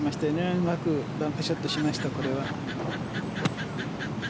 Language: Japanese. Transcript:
うまくバンカーショットしました。